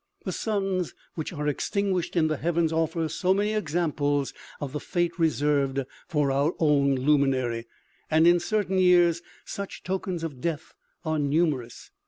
The suns which are extinguished in the heavens, offer so many examples of the fate reserved for our own luminary ; and in certain years such tokens of death are numerous.